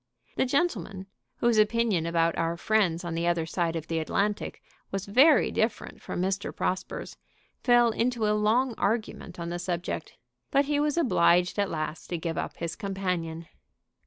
The gentleman, whose opinion about our friends on the other side of the Atlantic was very different from Mr. Prosper's, fell into a long argument on the subject. But he was obliged at last to give up his companion.